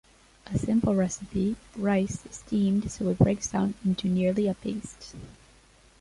A simple recipe: Rice is steamed so it breaks down into nearly a paste.